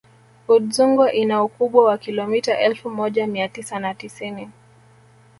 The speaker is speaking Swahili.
udzungwa ina ukubwa wa kilomita elfu moja mia tisa na tisini